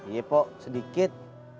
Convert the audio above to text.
iya pok sedikit